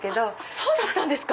そうだったんですか！